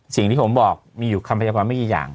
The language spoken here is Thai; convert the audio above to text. สิ่งที่ผมบอกมีอยู่คำพยากความไม่กี่อย่าง